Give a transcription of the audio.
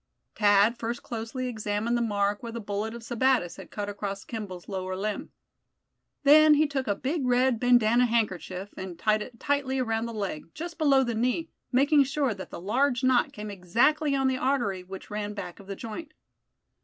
Thad first closely examined the mark where the bullet of Sebattis had cut across Kimball's lower limb. Then he took a big red bandanna handkerchief and tied it tightly around the leg, just below the knee, making sure that the large knot came exactly on the artery which ran back of the joint.